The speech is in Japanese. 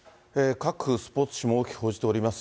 各スポーツ紙も大きく伝えております。